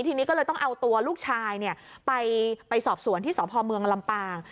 ทีนี้ก็เลยต้องเอาตัวลูกชายไปสอบสวนที่สพเมืองลำปาง